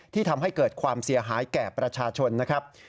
ทำให้เกิดความเสียหายแก่ประชาชนนะครับ